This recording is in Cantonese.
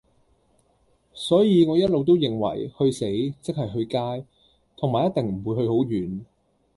所以我一路都認為，去死，即系去街，同埋一定唔會去好遠